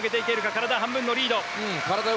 体半分のリード。